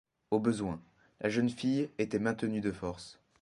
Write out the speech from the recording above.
Au besoin, la jeune fille était maintenue de force.